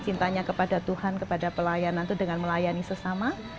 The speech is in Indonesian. cintanya kepada tuhan kepada pelayanan itu dengan melayani sesama